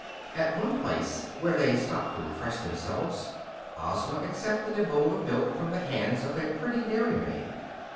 At one place, where they stopped to refresh themselves, Ozma accepted a bowl of milk from the hands of a pretty dairy maid.